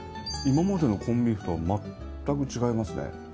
今までのコンビーフとはまったく違いますね。